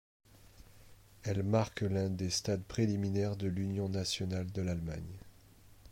Elle marque l’un des stades préliminaires de l’union nationale de l'Allemagne.